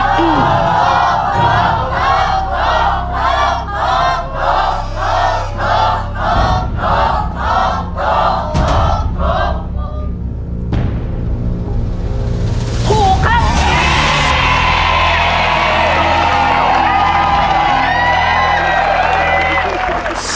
ถูกครับ